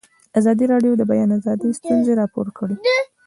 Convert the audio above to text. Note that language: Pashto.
ازادي راډیو د د بیان آزادي ستونزې راپور کړي.